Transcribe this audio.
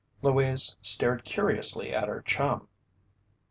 Louise stared curiously at her chum.